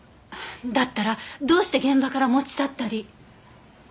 だったらどうして現場から持ち去ったり。